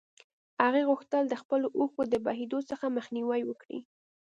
هغې غوښتل د خپلو اوښکو د بهېدو څخه مخنيوی وکړي.